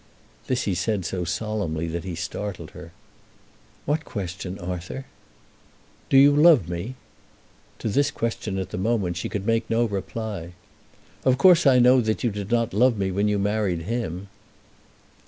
This he said so solemnly that he startled her. "What question, Arthur?" "Do you love me?" To this question at the moment she could make no reply. "Of course I know that you did not love me when you married him."